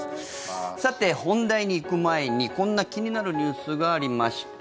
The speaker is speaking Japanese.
さて、本題に行く前にこんな気になるニュースがありました。